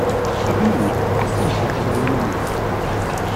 La prima annata fu stampata da Le Monnier.